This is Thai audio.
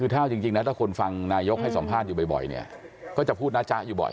ถ้าคนฟังนายกให้สัมภาษณ์อยู่บ่อยก็จะพูดนัจจะอยู่บ่อย